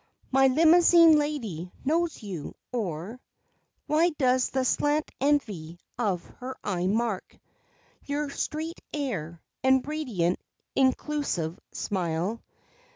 My Limousine Lady knows you, or Why does the slant envy of her eye mark Your straight air and radiant inclusive smile?